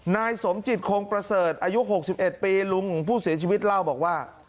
นายสมจิตคงประเสริฐอายุ๖๑ปีลุงของผู้เสียชีวิตเล่าบอกว่า